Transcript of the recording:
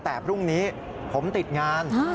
แต่พรุ่งนี้ผมติดงาน